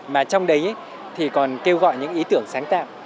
mà trong đấy thì còn kêu gọi những ý tưởng sáng tạo